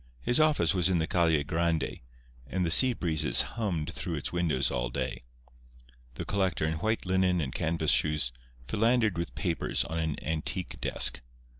His office was in the Calle Grande, and the sea breezes hummed through its windows all day. The collector, in white linen and canvas shoes, philandered with papers on an antique desk.